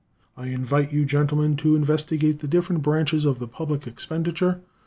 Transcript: I invite you, gentlemen, to investigate the different branches of the public expenditure.